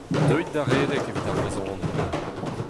Deuit da redek evit ar brezhoneg !